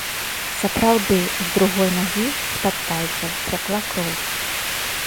Сапраўды, з другой нагі, з-пад пальцаў, цякла кроў.